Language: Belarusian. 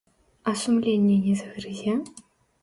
А сумленне не загрызе?